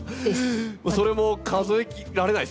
それも数えられないですよね。